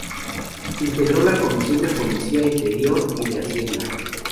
Integró la Comisión de Policía Interior y de Hacienda.